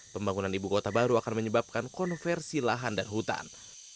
pembangunan ibu kota baru akan menyebabkan konversi lahan dan hutan